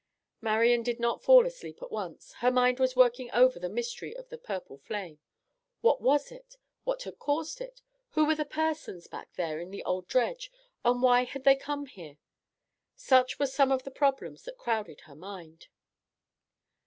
Marian did not fall asleep at once. Her mind was working over the mystery of the purple flame. What was it? What had caused it? Who were the persons back there in the old dredge, and why had they come there? Such were some of the problems that crowded her mind.